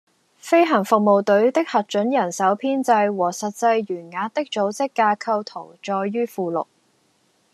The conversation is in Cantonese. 飛行服務隊的核准人手編制和實際員額的組織架構圖載於附錄